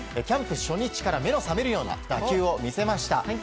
キャンプ初日から目の覚めるような打球を見せました。